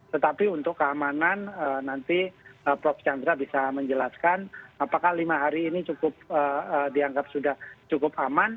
tetapi untuk keamanan nanti prof chandra bisa menjelaskan apakah lima hari ini cukup dianggap sudah cukup aman